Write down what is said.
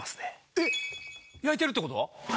えっ⁉焼いてるってこと？